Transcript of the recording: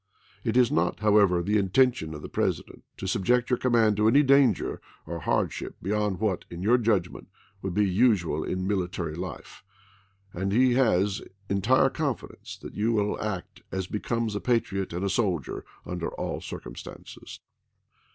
It is not, however, the intention of the President to subject your command to any danger or hardship beyond what, in your judgment, would be usual in mditary life ; and he has entire confidence that you will act as becomes a patriot and a soldier, under all circumstances.